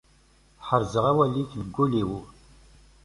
Ḥerrzeɣ awal-ik deg wul-iw.